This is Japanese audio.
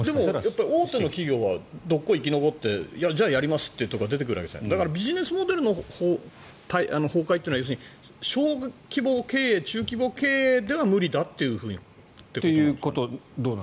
でも大手の企業は生き残ってやりますというところが出てくるわけでだから、ビジネスモデルの崩壊というのは小規模経営、中規模経営では無理だということ？